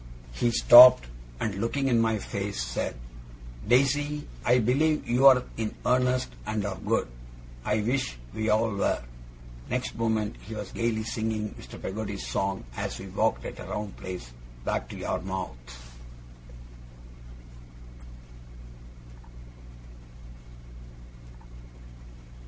He stopped, and, looking in my face, said, 'Daisy, I believe you are in earnest, and are good. I wish we all were!' Next moment he was gaily singing Mr. Peggotty's song, as we walked at a round pace back to Yarmouth.